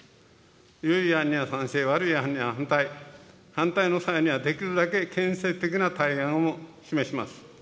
よい案には賛成、悪い案には反対、反対の際にはできるだけ建設的な対案を示します。